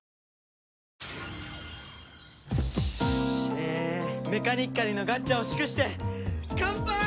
えーメカニッカニのガッチャを祝してカンパーイ！